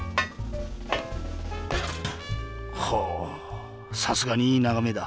ほおさすがにいいながめだ。